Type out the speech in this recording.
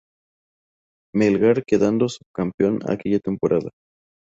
Melgar quedando subcampeón aquella temporada.